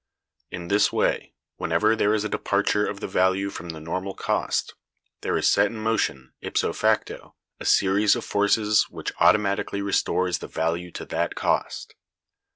In this way, whenever there is a departure of the value from the normal cost, there is set in motion ipso facto a series of forces which automatically restores the value to that cost.